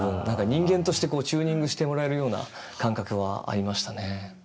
何か人間としてこうチューニングしてもらえるような感覚はありましたね。